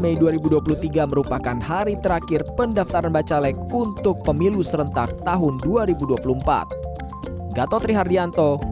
dua belas mei dua ribu dua puluh tiga merupakan hari terakhir pendaftaran bacalek untuk pemilu serentak tahun dua ribu dua puluh empat gatotri hardianto